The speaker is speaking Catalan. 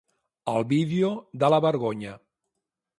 El vídeo de la vergonya.